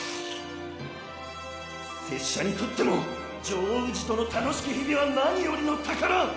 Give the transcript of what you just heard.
拙者にとってもジョー氏との楽しき日々は何よりの宝！